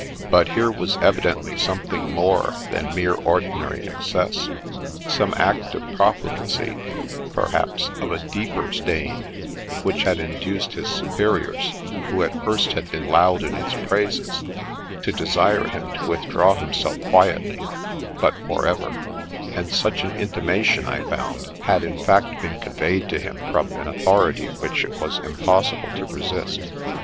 But here was evidently something more than mere ordinary excess — some act of profligacy, perhaps, of a deeper stain, which had induced his superiors, who at first had been loud in his praises, to desire him to withdraw himself quietly, but for ever ; and such an intimation, I found, had, in fact, been con veyed to him from an authority which it was impossible to resist.